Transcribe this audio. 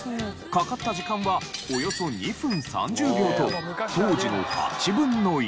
かかった時間はおよそ２分３０秒と当時の８分の１。